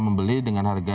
membeli dengan harga